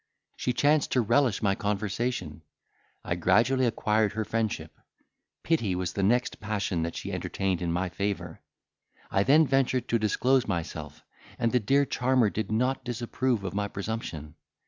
She chanced to relish my conversation; I gradually acquired her friendship; pity was the next passion that she entertained in my favour. I then ventured to disclose myself, and the dear charmer did not disapprove of my presumption.